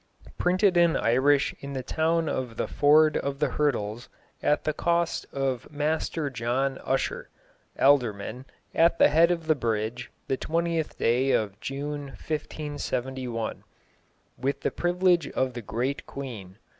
Printed in Irish in the town of the Ford of the Hurdles, at the cost of Master John Usher, alderman, at the head of the Bridge, the 20th day of June 1571. With the privilege of the great Queen.